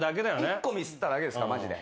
１個ミスっただけですマジで。